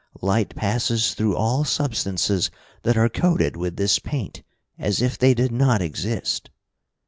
Light passes through all substances that are coated with this paint as if they did not exist."